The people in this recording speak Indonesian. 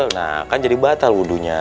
nah kan jadi batal wudhunya